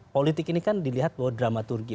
politik ini kan dilihat bahwa dramaturgi